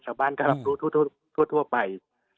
ชาวบ้านก็รับรู้ทั่วไป